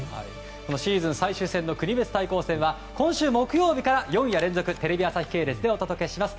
シーズン最終戦の国別対抗戦は今週木曜日から４夜連続テレビ朝日系列でお届けします。